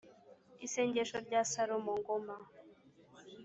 Isengesho rya Salomo ( Ngoma -)